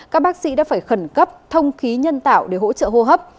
các bác sĩ đã phải khẩn cấp thông khí nhân tạo để hỗ trợ hô hấp